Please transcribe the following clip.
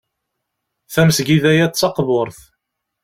Tamesgida-a d taqburt.